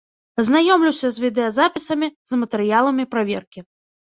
Азнаёмлюся з відэазапісамі, з матэрыяламі праверкі.